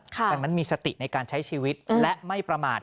ดังนั้นมีสติในการใช้ชีวิตและไม่ประมาท